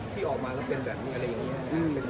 ที่ออกมาก็เป็นแบบนี้อะไรอย่างนี้